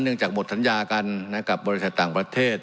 เนื่องจากหมดทันยากันนะกับบริษัทต่างประเทศ